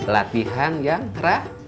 latihan yang kera